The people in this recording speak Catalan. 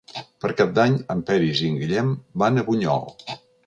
Per Cap d'Any en Peris i en Guillem van a Bunyol.